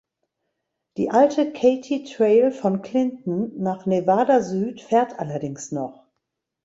Die alte Katy Trail von Clinton nach Nevada Süd fährt allerdings noch.